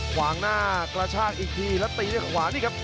ขวางหน้ากระชากอีกทีแล้วตีด้วยขวานี่ครับ